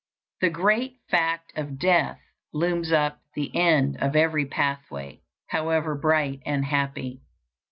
The great fact of death looms up at the end of every pathway, however bright and happy.